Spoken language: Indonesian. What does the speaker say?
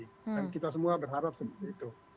dan kita semua berharap seperti itu